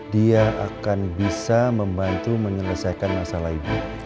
dia akan bisa membantu menyelesaikan masalah ibu